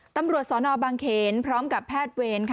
ตำรวจสนบางเขนพร้อมกับแพทย์เวรค่ะ